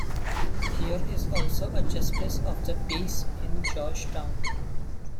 He is also a Justice of the Peace in George Town.